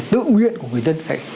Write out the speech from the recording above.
tự nguyện của người dân